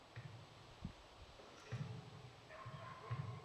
Maqola boshida aytib o’tilgandek